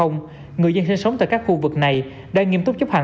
người dân sinh sống tại các khu vực này đang nghiêm túc chấp hành